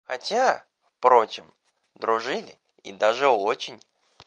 Хотя, впрочем, дружили, и даже очень.